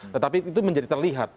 tetapi itu menjadi terlihat